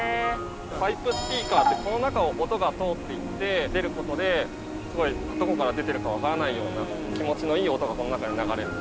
パイプスピーカーってこの中を音が通っていって出ることでどこから出てるかわからないような気持ちのいい音がこの中に流れると。